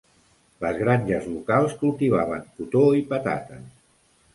Les granges locals cultivaven cotó i patates.